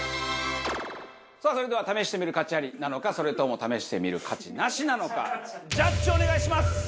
さあそれでは試してみる価値アリなのかそれとも試してみる価値ナシなのかジャッジお願いします！